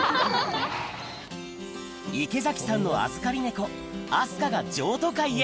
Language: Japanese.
池崎さんの預かりネコ明日香が譲渡会へ